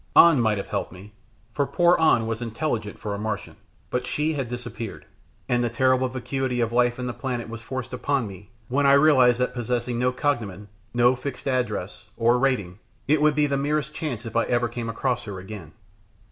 An might have helped me, for poor An was intelligent for a Martian, but she had disappeared, and the terrible vacuity of life in the planet was forced upon me when I realised that possessing no cognomen, no fixed address, or rating, it would be the merest chance if I ever came across her again.